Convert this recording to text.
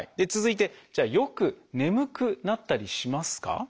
続いてじゃあよく眠くなったりしますか？